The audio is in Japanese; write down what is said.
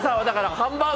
ハンバーグ！